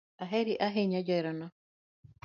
Aheri ahinya jaherana